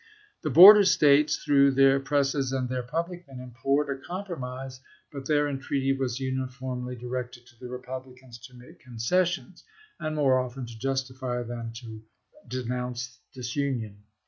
The border States, through their presses and their public men, implored a compromise, but their en treaty was uniformly directed to the Republicans to make concessions, and more often to justify than to denounce disunion.